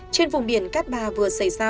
trên vùng biển cát bà vừa xảy ra